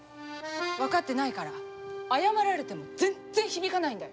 分かってないから謝られても全然響かないんだよ。